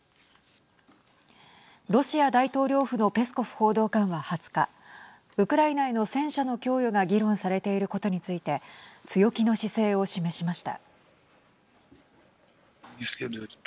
ロシア大統領府のペスコフ報道官は２０日ウクライナへの戦車の供与が議論されていることについて強気の姿勢を示しました。